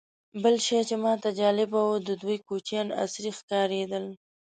بل شی چې ماته جالبه و، د دوی کوچیان عصري ښکارېدل.